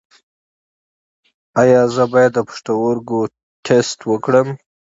ایا زه باید د پښتورګو ټسټ وکړم؟